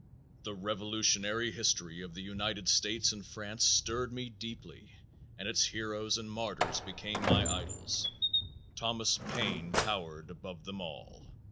The revolutionary history of the United States and France stirred me deeply and its heroes and martyrs became my idols. Thomas Paine towered above them all.